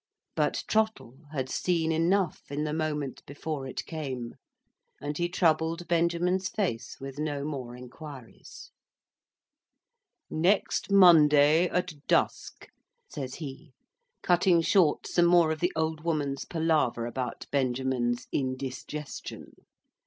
But Trottle had seen enough in the moment before it came; and he troubled Benjamin's face with no more inquiries. "Next Monday, at dusk," says he, cutting short some more of the old woman's palaver about Benjamin's indisgestion.